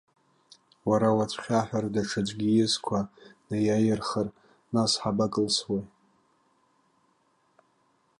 Уара уацәхьаҳәыр, даҽаӡәгьы изқәа неиаирхар, нас ҳабакылсуеи?